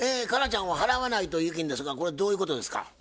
佳奈ちゃんは払わないという意見ですがこれはどういうことですか？